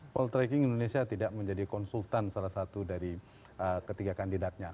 poltreking indonesia tidak menjadi konsultan salah satu dari ketiga kandidatnya